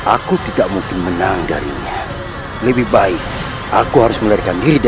aku harus menggunakan kesempatan ini untuk mengharikan diri